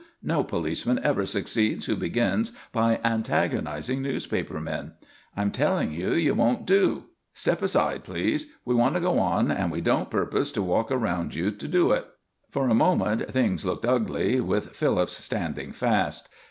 No policeman ever succeeds who begins by antagonising newspaper men. I'm telling you, you won't do. Step aside, please. We want to go on and we don't purpose to walk around you to do it." For a moment things looked ugly, with Phillips standing fast.